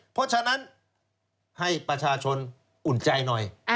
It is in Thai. เพราะฉะนั้นให้ประชาชนอุ่นใจหน่อย